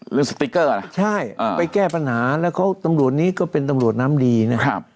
เรื่องสติ๊กเกอร์ใช่ไปแก้ปัญหาแล้วตำรวจนี้ก็เป็นตำรวจน้ำดีนะ